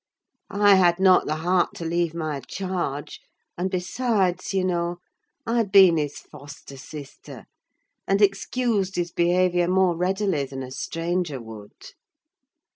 I had not the heart to leave my charge; and besides, you know, I had been his foster sister, and excused his behaviour more readily than a stranger would.